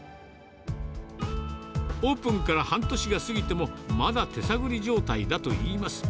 オープンから半年が過ぎても、まだ手探り状態だといいます。